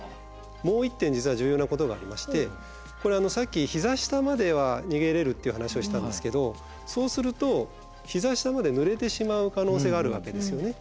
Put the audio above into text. もう一点実は重要なことがありましてこれさっきひざ下までは逃げれるっていう話をしたんですけどそうするとひざ下までぬれてしまう可能性があるわけですよね。